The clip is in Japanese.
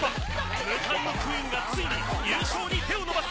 無冠のクイーンがついに優勝に手を伸ばす。